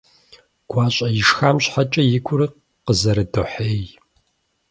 ГуащӀэ ишхам щхьэкӀэ и гур къызэрыдохьей.